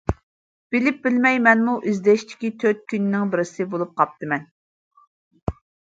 بىلىپ-بىلمەي مەنمۇ ئىزدىنىشتىكى تۆت كونىنىڭ بىرسى بولۇپ قاپتىمەن.